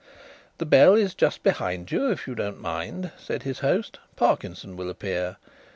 "The bell is just behind you, if you don't mind," said his host. "Parkinson will appear.